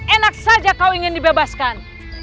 enak saja kau ingin dibebaskan